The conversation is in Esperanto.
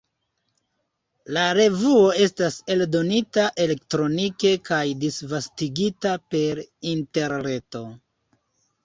La revuo estas eldonita elektronike kaj disvastigita per interreto.